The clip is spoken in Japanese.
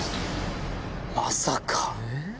まさか！